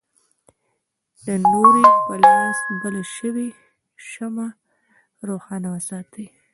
د نوري په لاس بله شوې شمعه روښانه وساتي.